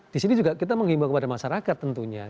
disini juga kita mengimbau kepada masyarakat tentunya